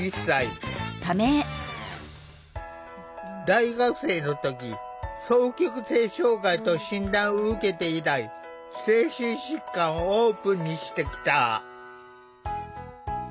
大学生の時双極性障害と診断を受けて以来精神疾患をオープンにしてきた。